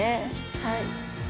はい。